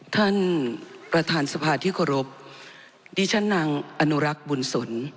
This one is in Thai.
ท่านประธานสภาที่เคารพดิฉันนางอนุรักษ์บุญสน